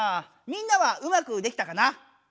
みんなはうまくできたかな？